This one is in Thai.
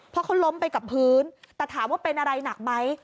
เพราะเขาล้มไปกับพื้นแต่ถามว่าเป็นอะไรหนักไหม